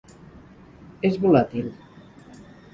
És volàtil.